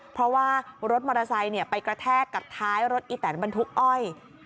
เพราะว่ารถมอเตอร์ไซค์ไปกระแทกกับท้ายรถอีแตนบรรทุกอ้อย